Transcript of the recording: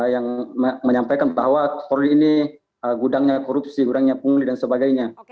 yang menyampaikan bahwa polri ini gudangnya korupsi gudangnya pungli dan sebagainya